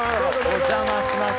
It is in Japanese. お邪魔します。